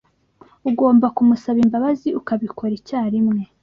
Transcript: Ugomba kumusaba imbabazi, ukabikora icyarimwe.